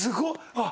あっ。